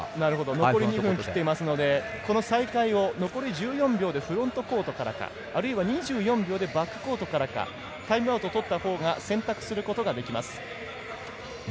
残り１４秒をきっているので残り１４秒でフロントコートからか２４秒でバックコートからかタイムアウトをとったほうが選択することができます。